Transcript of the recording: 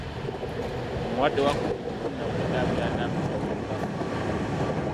Omulwadde wa Kovidi kkumi na mwenda abeera n'amabwa mu bulago.